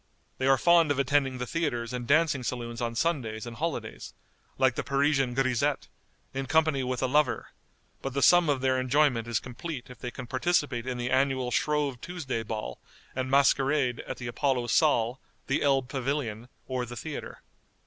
They are fond of attending the theatres and dancing saloons on Sundays and holidays, like the Parisian grisette, in company with a lover, but the sum of their enjoyment is complete if they can participate in the annual Shrove Tuesday ball and masquerade at the Apollo Saal, the Elb Pavilion, or the theatre.